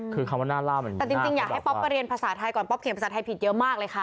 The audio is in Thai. แต่จริงอยากให้ป๊อปไปเรียนภาษาไทยก่อนป๊อปเขียนภาษาไทยผิดเยอะมากเลยค่ะ